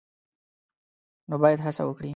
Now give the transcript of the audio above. نو باید هڅه وکړي